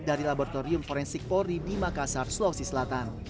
dari laboratorium forensik polri di makassar sulawesi selatan